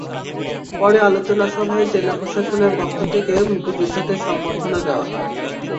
পরে আলোচনা সভায় জেলা প্রশাসনের পক্ষ থেকে মুক্তিযোদ্ধাদের সংবর্ধনা দেওয়া হয়।